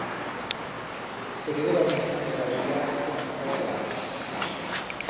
Se vedeba una ixame de abellas que marchaba de l'arna.